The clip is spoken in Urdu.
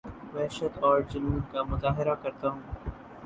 وحشت اورجنون کا مظاہرہ کرتا ہوں